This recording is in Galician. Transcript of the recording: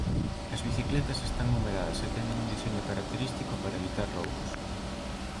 As bicicletas están numeradas e teñen un deseño característico para evitar roubos.